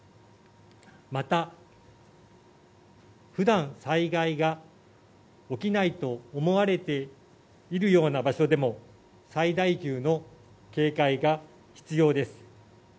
また、ふだん災害が起きないと思われているような場所でも、最大級の警戒が必要です。